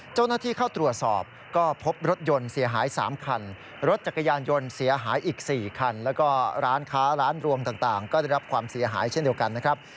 เจ้าหน้าที่เข้าตรวจสอบก็พบรถยนต์เสียหาย๓คันรถจักรยานยนต์เสียหายอีก๔คันแล้วก็ร้านค้าร้านรวงต่างก็ได้รับความเสียหายเช่นเดียวกันนะครับ